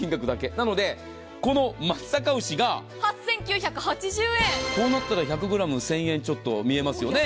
なのでこの松阪牛が。８９８０円。こうなったら１００ｇ１０００円ちょっとに見えますよね。